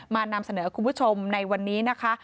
นำเสนอคุณผู้ชมในวันนี้นะคะ